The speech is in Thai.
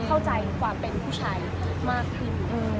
เข้าใจความเป็นผู้ชายมากขึ้น